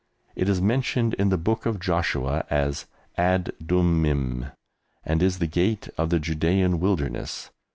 It is mentioned in the Book of Joshua as Adummim, and is the gate of the Judæan wilderness.